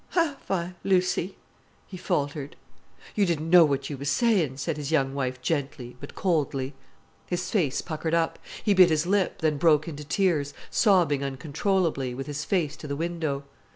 '" "Have I, Lucy?" he faltered. "You didn't know what you was saying," said his young wife gently but coldly. His face puckered up. He bit his lip, then broke into tears, sobbing uncontrollably, with his face to the window.